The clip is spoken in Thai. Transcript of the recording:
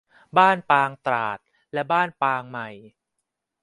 บ้านปางตราด และบ้านปางใหม่